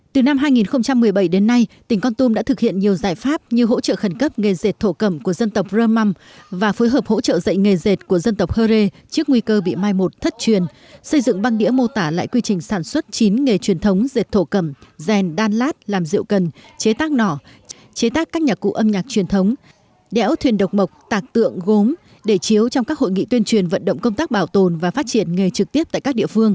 từ năm hai nghìn một mươi bảy đến nay tỉnh con tum đã thực hiện nhiều giải pháp như hỗ trợ khẩn cấp nghề rệt thổ cầm của dân tộc rơ măm và phối hợp hỗ trợ dạy nghề rệt của dân tộc hơ rê trước nguy cơ bị mai một thất truyền xây dựng băng đĩa mô tả lại quy trình sản xuất chín nghề truyền thống rệt thổ cầm rèn đan lát làm rượu cần chế tác nỏ chế tác các nhà cụ âm nhạc truyền thống đẽo thuyền độc mộc tạc tượng gốm để chiếu trong các hội nghị tuyên truyền vận động công tác bảo tồn và phát triển nghề tr